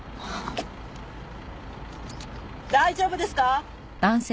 大丈夫ですか？